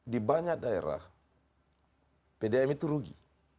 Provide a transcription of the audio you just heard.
di banyak daerah pdm itu rugi